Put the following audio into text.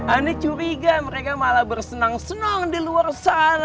anda curiga mereka malah bersenang senang di luar sana